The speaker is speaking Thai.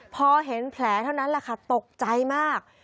พอเห็นแผลเท่านั้นตกใจมาก